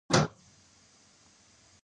ځکه ممکنه ده فرد په داسې وضعیت کې راشي.